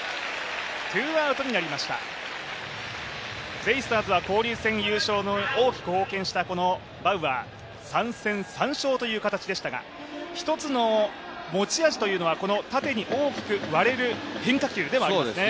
ベイスターズは交流戦優勝に大きく貢献したバウアー、３戦３勝という形でしたが、一つの持ち味というのはこの縦に大きく割れる変化球ではありますね。